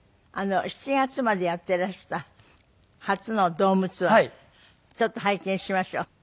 ７月までやっていらした初のドームツアーちょっと拝見しましょう。